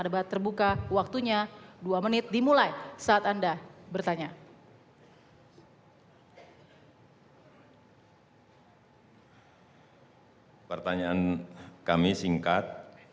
pertanyaan kami singkat